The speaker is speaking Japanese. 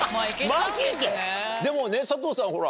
でもね佐藤さんほら。